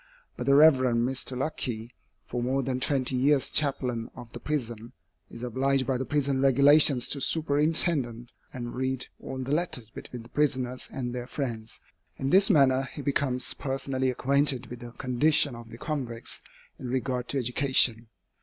But the Rev. Mr. Luckey, for more than twenty years chaplain of the prison, is obliged by the prison regulations to superintend and read all the letters between the prisoners and their friends. In this manner he becomes personally acquainted with the condition of the convicts in regard to education.